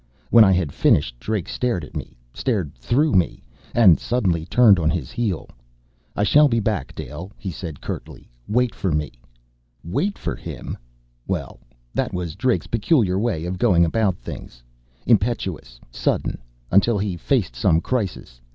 When I had finished. Drake stared at me stared through me and suddenly turned on his heel. "I shall be back, Dale," he said curtly. "Wait for me!" Wait for him! Well, that was Drake's peculiar way of going about things. Impetuous, sudden until he faced some crisis.